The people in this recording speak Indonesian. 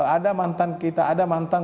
ada mantan kita ada mantan